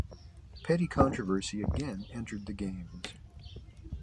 Petty controversy again entered the games.